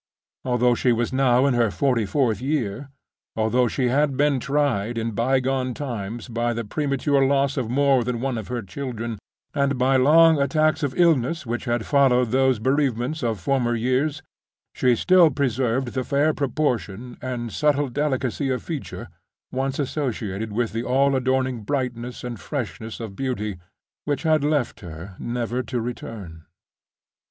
Although she was now in her forty fourth year; although she had been tried, in bygone times, by the premature loss of more than one of her children, and by long attacks of illness which had followed those bereavements of former years—she still preserved the fair proportion and subtle delicacy of feature, once associated with the all adorning brightness and freshness of beauty, which had left her never to return.